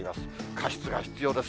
加湿が必要です。